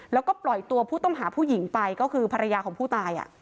แล้วก็ปล่อยตัวผู้ต้องหาผู้หญิงไปก็คือภรรยาของผู้ตาย